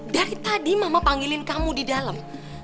dari tadi mama panggilin kamu di dalam